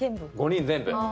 ５人全部！